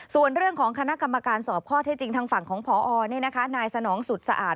ส่วนเรื่องของคณะกรรมการสอบข้อเท็จจริงทางฝั่งของพอนายสนองสุดสะอาด